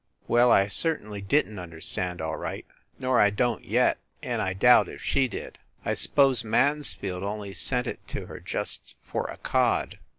Well, I certainly didn t understand, all right, nor I don t yet; and I doubt if she did. I s pose Mans field only sent it to her just for a cod.